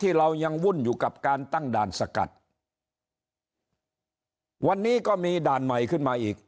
เรายังวุ่นอยู่กับการตั้งด่านสกัดวันนี้ก็มีด่านใหม่ขึ้นมาอีก